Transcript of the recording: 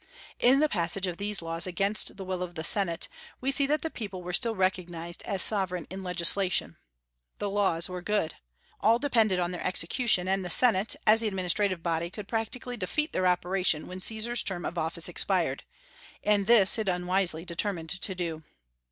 In the passage of these laws against the will of the Senate, we see that the people were still recognized as sovereign in legislation. The laws were good. All depended on their execution; and the Senate, as the administrative body, could practically defeat their operation when Caesar's term of office expired; and this it unwisely determined to do.